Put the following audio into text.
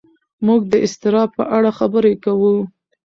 موږ د اضطراب په اړه خبرې کوو.